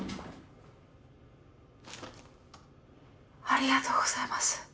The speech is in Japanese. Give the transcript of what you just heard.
ありがとうございます。